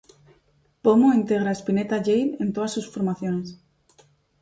Pomo integra Spinetta Jade en todas sus formaciones.